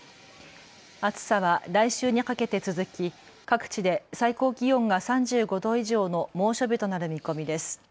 暑さは来週にかけて続き各地で最高気温が３５度以上の猛暑日となる見込みです。